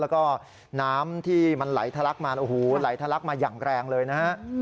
แล้วก็น้ำที่มันไหลทะลักมาโอ้โหไหลทะลักมาอย่างแรงเลยนะฮะ